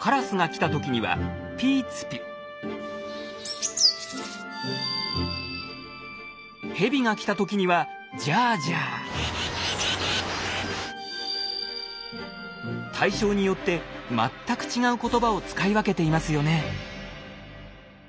カラスが来た時にはヘビが来た時には対象によって全く違う言葉を使い分けていますよね。